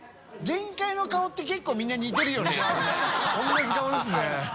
同じ顔ですね。